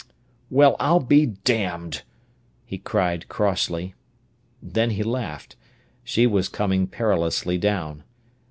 "Well, I'll be damned!" he cried crossly. Then he laughed. She was coming perilously down.